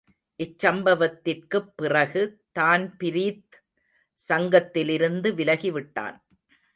இச்சம்பவத்திற்குப் பிறகு தான்பிரீத் சங்கத்திலிருந்து விலகி விட்டான்.